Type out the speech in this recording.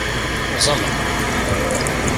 Uẓameɣ.